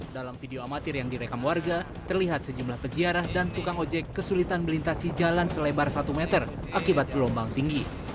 dalam video amatir yang direkam warga terlihat sejumlah peziarah dan tukang ojek kesulitan melintasi jalan selebar satu meter akibat gelombang tinggi